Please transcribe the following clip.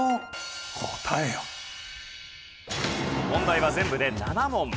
問題は全部で７問。